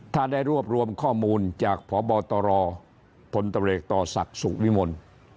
ถ้าได้รวบรวมข้อมูลจากพบตรพลตำรวจต่อศักดิ์สุวิมล